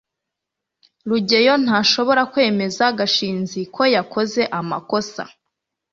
rugeyo ntashobora kwemeza gashinzi ko yakoze amakosa